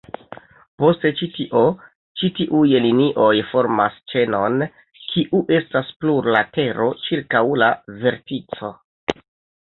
Post ĉi tio, ĉi tiuj linioj formas ĉenon, kiu estas plurlatero, ĉirkaŭ la vertico.